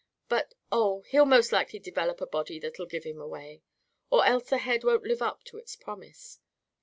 "But oh, he'll most likely develop a body that'll give him away! Or else the head won't live up to its promise.